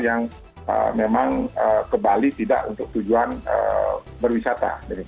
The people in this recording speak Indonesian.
yang memang ke bali tidak untuk tujuan berwisata